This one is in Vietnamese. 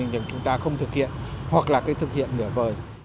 nhưng chúng ta không thực hiện hoặc là thực hiện để vời